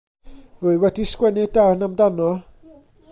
Rwy wedi sgwennu darn amdano.